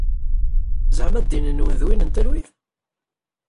Zeɛma ddin-nwen d win n talwit?